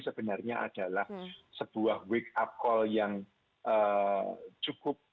sebenarnya adalah sebuah wake up call yang cukup